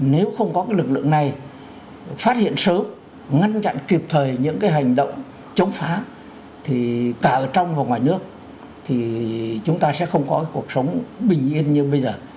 nếu không có lực lượng này phát hiện sớm ngăn chặn kịp thời những hành động chống phá thì cả ở trong và ngoài nước thì chúng ta sẽ không có cuộc sống bình yên như bây giờ